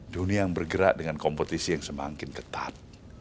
dunia yang bergerak dengan kompetisi yang semakin ketat